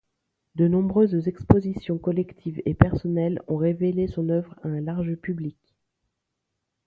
De nombreuses expositions collectives et personnelles ont révélé son œuvre à un large public.